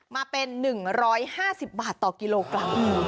มาเป็น๑๕๐บาทต่อกิโลกรัม